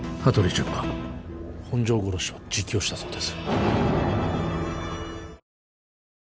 潤が本条殺しを自供したそうです